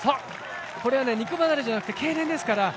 これは肉離れじゃなくてけいれんですから。